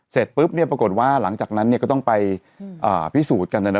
เสร็จปุ๊บเนี่ยปรากฏว่าหลังจากนั้นก็ต้องไปพิสูจน์กันนะนะ